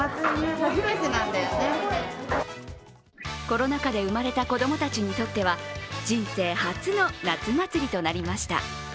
コロナ禍で生まれた子供たちにとっては、人生初の夏祭りとなりました。